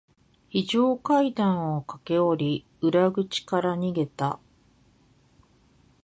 非常階段を駆け下り、裏口から逃げた。